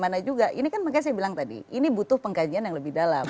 bagaimana juga ini kan makanya saya bilang tadi ini butuh pengkajian yang lebih dalam